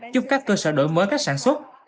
chúc các cơ sở đổi mới các sản xuất